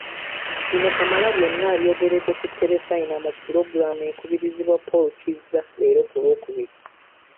Bino Kamalabyonna abyogeredde ku Terefayina mu pulogulaamu ekubirizibwa Paul Kizza leero ku Lwokubiri.